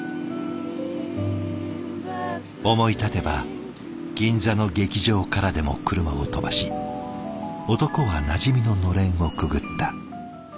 思い立てば銀座の劇場からでも車を飛ばし男はなじみののれんをくぐった。